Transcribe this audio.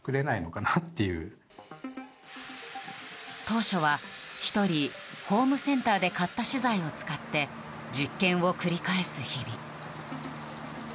当初は１人ホームセンターで買った資材を使って実験を繰り返す日々。